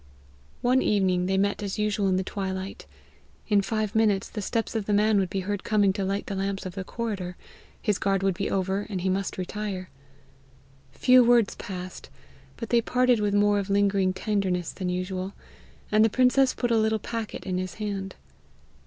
One evening they met as usual in the twilight; in five minutes the steps of the man would be heard coming to light the lamps of the corridor, his guard would be over, and he must retire. Few words passed, but they parted with more of lingering tenderness than usual, and the princess put a little packet in his hand.